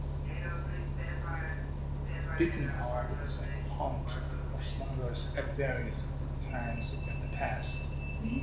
Bickenhall was a haunt of smugglers at various times in the past.